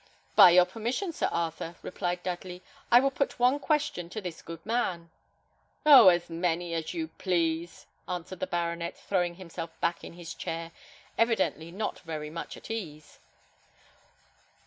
"By your permission, Sir Arthur," replied Dudley, "I will put one question to this good man." "Oh! as many as you please," answered the baronet, throwing himself back in his chair, evidently not very much at ease.